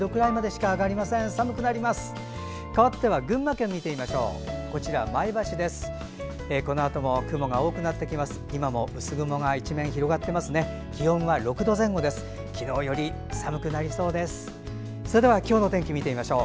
かわっては群馬県見てみましょう。